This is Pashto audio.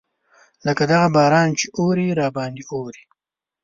لکه دغه باران چې اوري راباندې اوري.